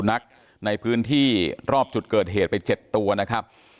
นักในพื้นที่รอบจุดเกิดเหตุไป๗ตัวนะครับ